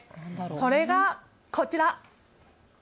それがこちら。